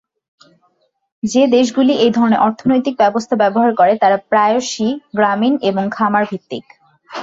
যে দেশগুলি এই ধরনের অর্থনৈতিক ব্যবস্থা ব্যবহার করে তারা প্রায়শই গ্রামীণ এবং খামার-ভিত্তিক।